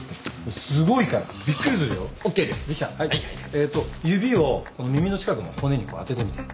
えっと指をこの耳の近くの骨にこう当ててみて。